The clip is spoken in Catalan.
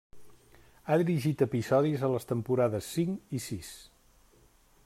Ha dirigit episodis a les temporades cinc i sis.